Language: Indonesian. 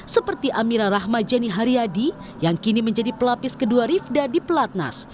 seperti amira rahmajeni haryadi yang kini menjadi pelapis kedua rifda di pelatnas